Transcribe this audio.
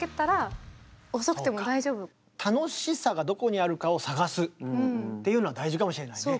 だから楽しさがどこにあるかを探すっていうのは大事かもしれないね。